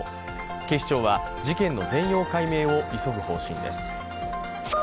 警視庁は事件の全容解明を急ぐ方針です。